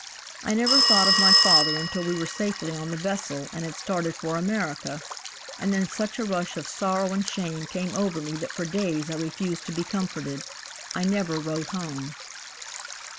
I never thought of my father until we were safely on the vessel and had started for America, and then such a rush of sorrow and shame came over me that for days I refused to be comforted. I never wrote home."